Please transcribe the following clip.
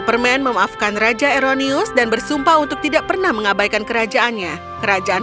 permen memaafkan raja eronius dan bersumpah untuk tidak pernah mengabaikan kerajaannya kerajaan